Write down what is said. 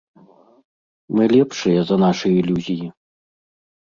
Мы лепшыя за нашы ілюзіі!